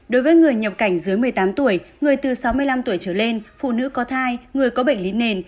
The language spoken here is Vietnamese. đối với người nhập cảnh dưới một mươi tám tuổi người từ sáu mươi năm tuổi trở lên phụ nữ có thai người có bệnh lý nền